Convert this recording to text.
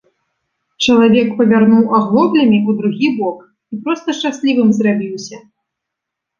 Чалавек павярнуў аглоблямі ў другі бок і проста шчаслівым зрабіўся.